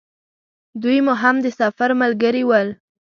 دوی مو هم د سفر ملګري ول.